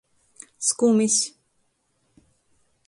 Skumis.